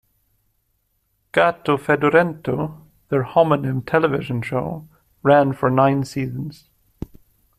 "Gato Fedorento", their homonym television show, ran for nine seasons.